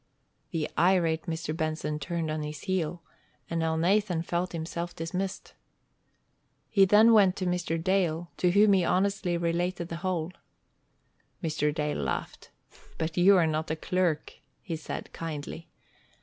The irate Mr. Benson turned on his heel, and Elnathan felt himself dismissed. He then went to Mr. Dale, to whom he honestly related the whole. Mr. Dale laughed. "But you are not a clerk," he said, kindly.